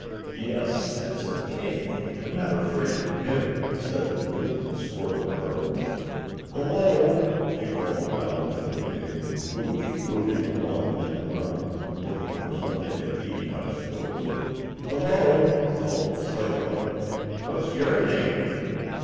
"Yes, that's a pig! I'm not afraid of him," said the little squirrel girl. "Hello!" she called down to the pig, who was rooting along in the ground, looking for something to eat, I suppose. "Hello!" called Slicko. "What's your name?"